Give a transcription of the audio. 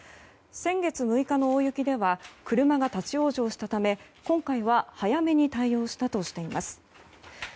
先月６日の大雪では車が立ち往生したため今回は早めに対応したとしています。